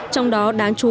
trong đó đáng chú ý